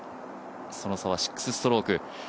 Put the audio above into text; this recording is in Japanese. その差は６ストローク。